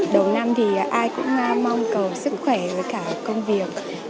đầu năm thì ai cũng mong cầu sức khỏe với cả công việc